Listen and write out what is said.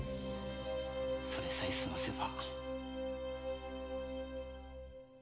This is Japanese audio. それさえ済ませば。